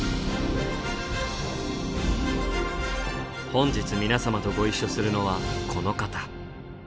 本日皆さまとご一緒するのはこの方。